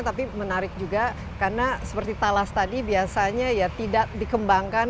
tapi menarik juga karena seperti talas tadi biasanya ya tidak dikembangkan